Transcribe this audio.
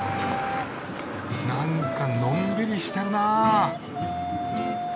なんかのんびりしてるな。